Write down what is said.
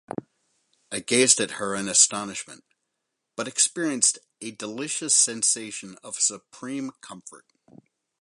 I gazed at her in astonishment, but experienced a delicious sensation of supreme comfort.